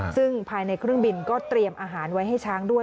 ซึ่งภายในเครื่องบินก็เตรียมอาหารไว้ให้ช้างด้วย